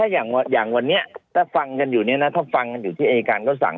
อย่างวันนี้ถ้าฟังกันอยู่ที่อายการเขาสั่ง